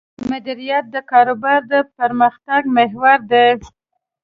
مدیریت د کاروبار د پرمختګ محور دی.